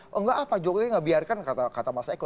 oh enggak pak jokowi nggak biarkan kata mas eko